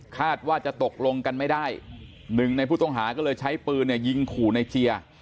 คาดว่าจะตกลงกันไม่ได้หนึ่งในผู้ต้องหาก็เลยใช้ปืนยิงขู่ในเจีย